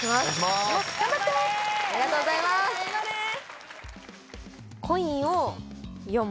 ありがとうございます！